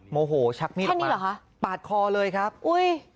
โมโหชักนี่หรอแค่นี้หรอค่ะปาดคอเลยครับอุ้ย